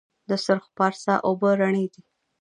د سرخ پارسا اوبه رڼې دي